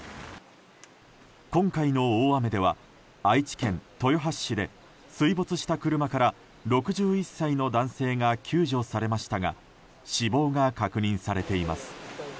今回の大雨では愛知県豊橋市で水没した車から６１歳の男性が救助されましたが死亡が確認されています。